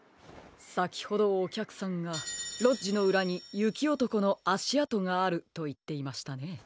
さきほどおきゃくさんが「ロッジのうらにゆきおとこのあしあとがある」といっていましたね。